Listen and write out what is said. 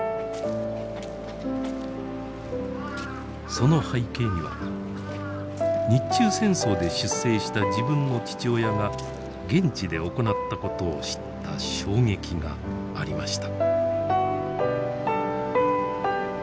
その背景には日中戦争で出征した自分の父親が現地で行ったことを知った衝撃がありました。